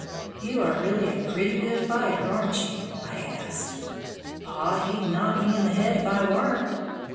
"You are really a pretty good fighter, aren't you?" I asked. "Paw he'd knock me in the head if I weren't."